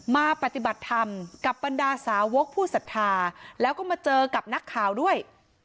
มาปฏิบัติธรรมกับบรรดาสาวกผู้ศรัทธาแล้วก็มาเจอกับนักข่าวด้วย